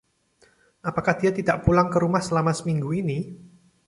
Apakah dia tidak pulang ke rumah selama seminggu ini..?